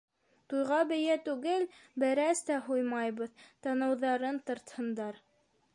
Туйға бейә түгел, бәрәс тә һуймабыҙ, танауҙарын тартһындар.